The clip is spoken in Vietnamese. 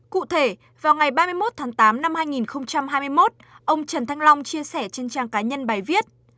cụ thể vào ngày ba mươi một tháng tám năm hai nghìn hai mươi một ông trần thanh long chia sẻ trên trang cá nhân bài viết